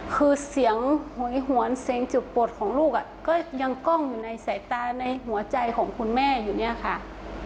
คือเสียงหวยหวนเสียงจุดปวดของลูกก็ยังกล้องอยู่ในสายตาในหัวใจของคุณแม่อยู่เนี่ยค่ะ